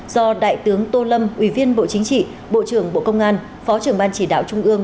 do đại tướng tô lâm ủy viên bộ chính trị bộ trưởng bộ công an phó trưởng ban chỉ đạo trung ương